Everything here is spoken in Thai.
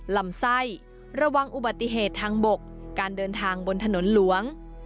ลำไส้ระวังอุบัติเหตุทางบกการเดินทางบนถนนหลวง